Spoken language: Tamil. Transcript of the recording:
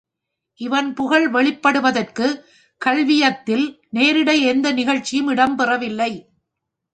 இவன் புகழ் வெளிப்படுவதற்குக் கள்வியத்தில் நேரிடை எந்த நிகழ்ச்சியும் இடம் பெறவில்லை.